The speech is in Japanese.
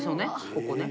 ここね。